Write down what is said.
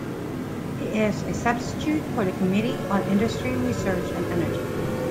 He is a substitute for the Committee on Industry, Research and Energy.